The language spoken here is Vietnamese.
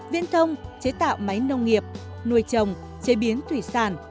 viên thông chế tạo máy nông nghiệp nuôi trồng chế biến thủy sản